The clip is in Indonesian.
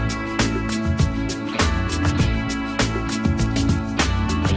itu vikri bukannya